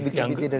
lebih yang kedua